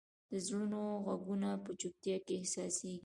د زړونو ږغونه په چوپتیا کې احساسېږي.